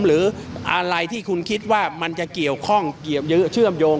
หรืออะไรที่คุณคิดว่ามันจะเกี่ยวข้องเยอะเชื่อมโยง